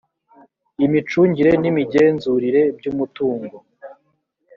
imicungire n imigenzurire by umutungo